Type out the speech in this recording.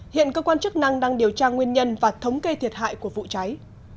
hiện cơ quan chức năng đang điều tra nguyên nhân và thống kê thiệt hại của vụ cháy